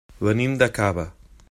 Venim de Cava.